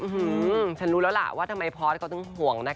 อื้อฮือฉันรู้แล้วล่ะว่าทำไมพอสเขาต้องห่วงนะคะ